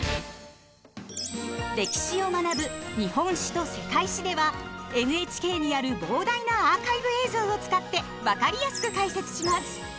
歴史を学ぶ「日本史」と「世界史」ではＮＨＫにある膨大なアーカイブ映像を使って分かりやすく解説します。